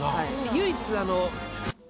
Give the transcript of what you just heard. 唯一。